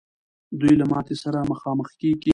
دوی له ماتي سره مخامخ کېږي.